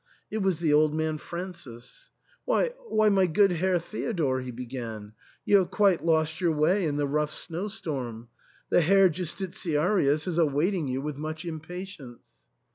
It was the old man Francis. "Why, why, my good Herr Theodore," he began, "you have quite lost your way in the rough snow storm. The Herr Justitiarius is awaiting you THE ENTAIL. 271 with much impatience."